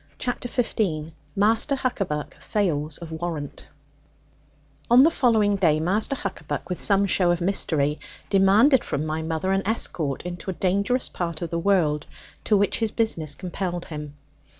CHAPTER XV MASTER HUCKABACK FAILS OF WARRANT On the following day Master Huckaback, with some show of mystery, demanded from my mother an escort into a dangerous part of the world, to which his business compelled him.